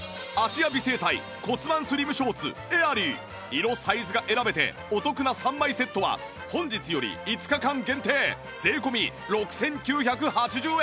色サイズが選べてお得な３枚セットは本日より５日間限定税込６９８０円